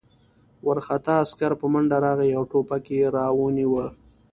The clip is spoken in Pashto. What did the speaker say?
وارخطا عسکر په منډه راغی او ټوپک یې را ونیاوه